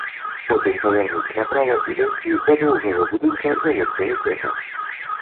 Потым павярнуць направа і дайсці да доўгага будынка заводскага цэха.